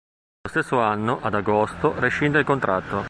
Nello stesso anno, ad agosto, rescinde il contratto.